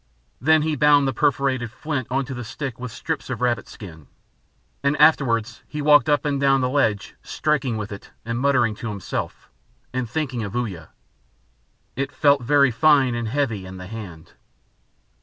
Then he bound the perforated flint on to the stick with strips of rabbit skin. And afterwards he walked up and down the ledge, striking with it, and muttering to himself, and thinking of Uya. It felt very fine and heavy in the hand.